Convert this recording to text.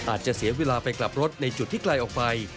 อาจจะเสียเวลาไปกลับรถในจุดที่ไกลออกไป